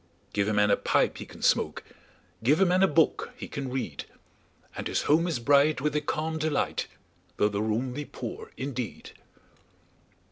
Give a man a pipe he can smoke, 5 Give a man a book he can read: And his home is bright with a calm delight, Though the room be poor indeed.